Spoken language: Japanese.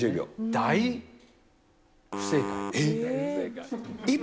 大不正解。